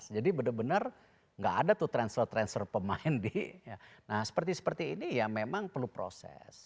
jadi benar benar gak ada tuh transfer transfer pemain di nah seperti seperti ini ya memang perlu proses